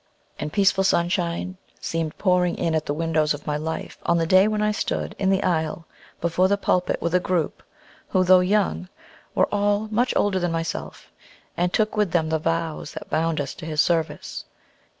And peaceful sunshine seemed pouring in at the windows of my life on the day when I stood in the aisle before the pulpit with a group, who, though young, were all much older than myself, and took with them the vows that bound us to his service.